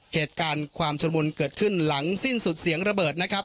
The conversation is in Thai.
เหตุการณ์ความชุดมุนเกิดขึ้นหลังสิ้นสุดเสียงระเบิดนะครับ